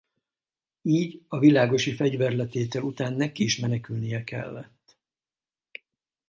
Így a világosi fegyverletétel után neki is menekülnie kellett.